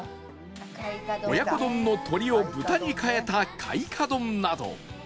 親子丼の鶏を豚に替えた開化丼など